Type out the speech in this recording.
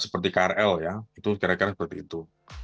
seperti krl ya itu kira kira seperti itu